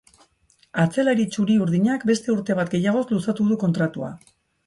Atzelari txuri-urdinak beste urte bat gehiagoz luzatu du kontratua.